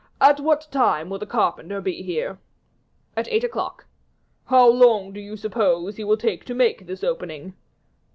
At what time will the carpenter be here?" "At eight o'clock." "How long do you suppose he will take to make this opening?"